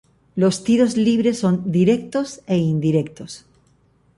Los tiros libres son directos e indirectos.